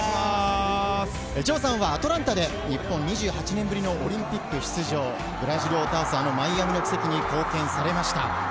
城さんはアタランタで日本に１８年ぶりのオリンピック出場、ブラジルを倒すマイアミの奇跡に貢献されました。